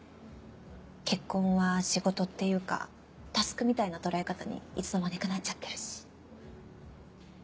結婚は仕事っていうかタスクみたいな捉え方にいつの間にかなっちゃってるし。